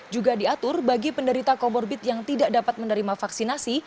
juga diatur bagi penderita comorbid yang tidak dapat menerima vaksinasi